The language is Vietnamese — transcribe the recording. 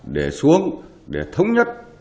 để xuống để thống nhất